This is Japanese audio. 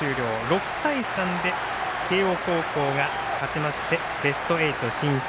６対３で慶応高校が勝ちましてベスト８進出。